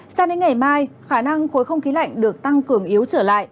sang đến ngày mai khả năng khối không khí lạnh được tăng cường yếu trở lại